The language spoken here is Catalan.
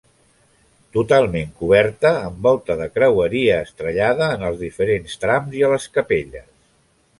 Totalment coberta amb volta de creueria estrellada en els diferents trams i a les capelles.